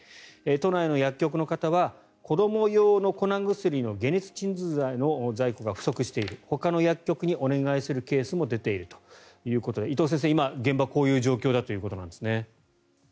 都内の薬局の方は子ども用の粉薬の解熱鎮痛剤の在庫が不足しているほかの薬局にお願いするケースも出ているということで伊藤先生、今、現場はこういう状況だということですね。